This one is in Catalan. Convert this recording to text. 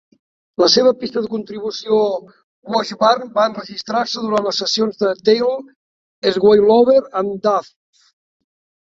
La seva pista de contribució "Washburn" va enregistrar-se durant les sessions de "Tail Swallower and Dove".